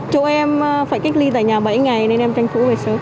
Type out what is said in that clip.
chỗ em phải cách ly tại nhà bảy ngày nên em tranh thủ về sớm